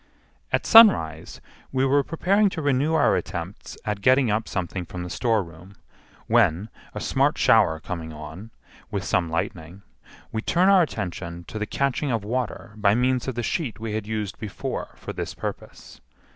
At sunrise we were preparing to renew our attempts at getting up something from the storeroom, when, a smart shower coming on, with some lightning, we turn our attention to the catching of water by means of the sheet we had used before for this purpose.